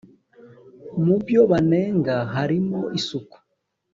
Mu byo banenga harimo isuku